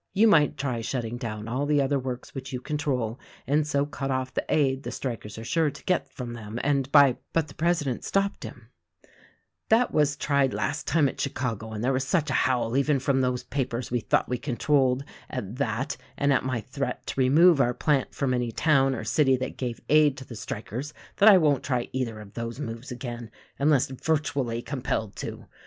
"You might try shutting down all the other works which you control, and so cut off the aid the strikers are sure to get from them, and by " But the president stopped him: "That was tried last time at Chicago and there was such a howl, even from those papers we thought we controlled, at that and at my threat to remove our plant from any town or city that gave aid to the strikers, that I won't try either of those moves again unless virtually compelled to.